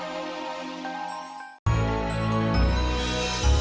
tidak aku lupa